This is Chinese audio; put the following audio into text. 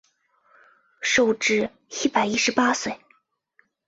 寿至一百一十八岁。